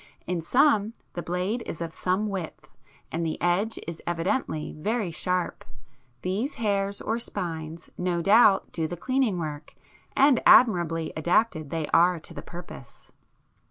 In some the blade is of some width, and the edge is evidently very sharp: these hairs or spines no doubt do the cleaning work, and admirably adapted they are to the purpose.